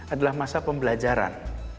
adalah masa pembelajaran